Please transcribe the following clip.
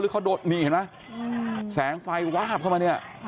เห็นมั้ยแสงไฟวาบเข้ามา